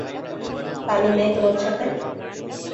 তানি নেই তোমাদের সাথে?